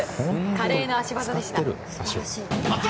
華麗な足技でした。